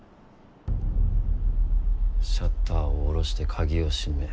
シャッターを下ろして鍵を閉め